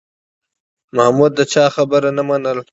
محمود د چا خبره نه منله.